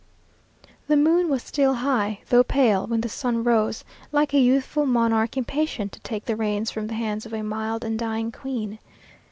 The moon was still high, though pale, when the sun rose, like a youthful monarch impatient to take the reins from the hands of a mild and dying queen.